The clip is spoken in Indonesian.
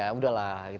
ya sudah lah